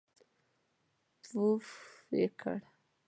پووووووفففف یې کړ.